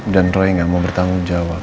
dan roy gak mau bertanggung jawab